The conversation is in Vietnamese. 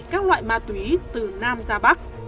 các loại ma túy từ nam ra bắc